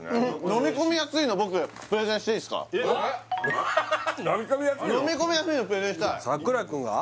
飲み込みやすいのプレゼンしたい櫻井君が？